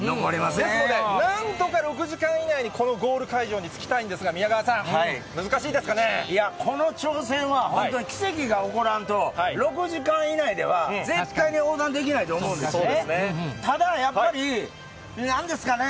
ですので、なんとか６時間以内にこのゴール会場に着きたいんですが、宮川さいや、この挑戦は本当に奇跡が起こらんと、６時間以内では絶対に横断できないと思うんですね。